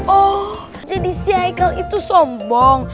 oh jadi si aikal itu sombong